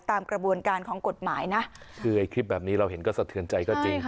ตามกระบวนการของกฎหมายนะคือไอ้คลิปแบบนี้เราเห็นก็สะเทือนใจก็จริง